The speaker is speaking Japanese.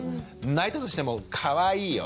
泣いたとしても「かわいいよ。